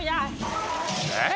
えっ？